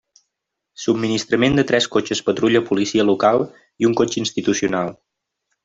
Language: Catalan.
Subministrament de tres cotxes patrulla policia local i un cotxe institucional.